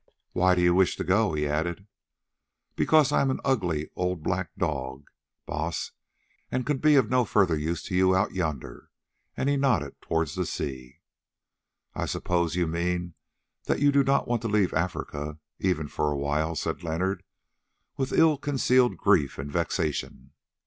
"Why do you wish to go?" he added. "Because I am an ugly old black dog, Baas, and can be of no further use to you out yonder," and he nodded towards the sea. "I suppose you mean that you do not want to leave Africa, even for a while," said Leonard, with ill concealed grief and vexation.